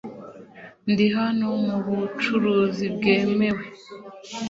Ndi hano mubucuruzi bwemewe .